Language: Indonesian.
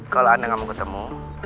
kalau anda nggak mau ketemu